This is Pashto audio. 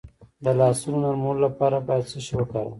د لاسونو نرمولو لپاره باید څه شی وکاروم؟